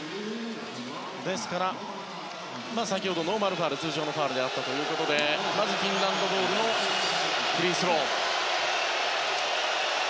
先ほどノーマルファウル通常のファウルということでまずフィンランドボールのフリースロー。